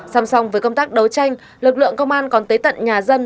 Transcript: xăm xong với công tác đấu tranh lực lượng công an còn tới tận nhà dân